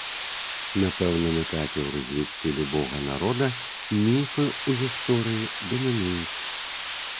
На пэўным этапе ў развіцці любога народа міфы ў гісторыі дамінуюць.